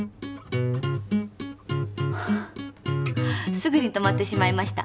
すぐに止まってしまいました。